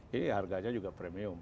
ini harganya juga premium